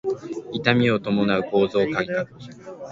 痛みを伴う構造改革